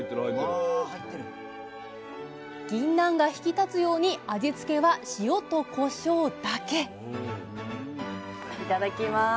ぎんなんが引き立つように味付けは塩とこしょうだけいただきます。